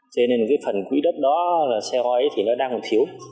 thế nên cái phần quỹ đất đó là xe hoa ấy thì nó đang còn thiếu